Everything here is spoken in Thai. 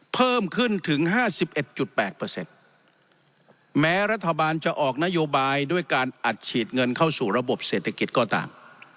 เพิ่มขึ้นถึงห้าสิบเอ็ดจุดแปดเปอร์เซ็ตแม้รัฐบาลจะออกนโยบายด้วยการอัดฉีดเงินเข้าสู่ระบบเศรษฐกิจก็ต่าง